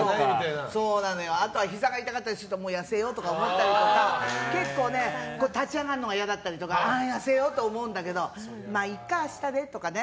あとはひざが痛かったりすると痩せようと思ったりとか結構、立ち上がるのが嫌だったりとかで痩せようと思うんだけどいいか、明日でとかね。